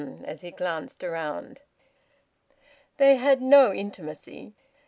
as he glanced around. They had no intimacy.